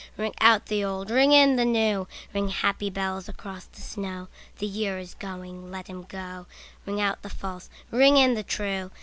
Ring out the old, ring in the new, Ring, happy bells, across the snow: The year is going, let him go; Ring out the false, ring in the true.